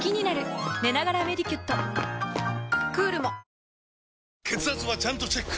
「ビオレ」血圧はちゃんとチェック！